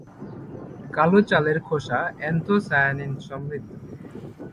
কালো চালের খোসা অ্যান্থোসায়ানিনসমৃদ্ধ।